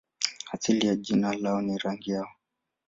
Asili ya jina lao ni rangi yao.